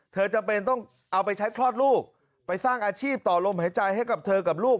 จำเป็นต้องเอาไปใช้คลอดลูกไปสร้างอาชีพต่อลมหายใจให้กับเธอกับลูก